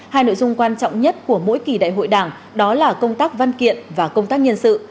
hai nội dung quan trọng nhất của mỗi kỳ đại hội đảng đó là công tác văn kiện và công tác nhân sự